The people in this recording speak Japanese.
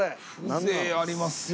風情ありますよ